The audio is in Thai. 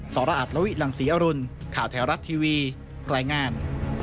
สรอัตลวิหลังศรีอรุณข่าวแถวรัฐทีวีรายงาน